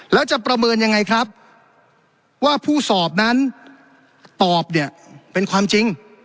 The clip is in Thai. แล้วจะประเมินยังไงครับว่าผู้สอบนั้นตอบเนี่ยเป็นความจริง